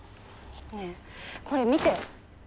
ねえこれ見て。